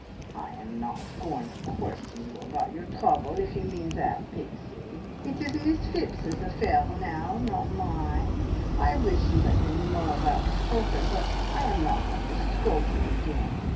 "I am not going to question you about your trouble, if you mean that, Pixie. It is Miss Phipps's affair now, not mine. I wish you had been more outspoken, but I am not going to scold you again.